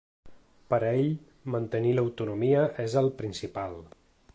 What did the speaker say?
Per a ell, “mantenir l’autonomia és el principal”.